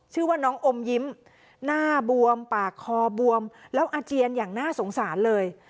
ชื่อว่าน้องอมยิ้มหน้าบวมปากคอบวมแล้วอาเจียนอย่างน่าสงสารเลย